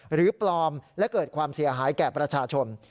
หรือปลอมและเกิดความเสียหายแก่ประชาชน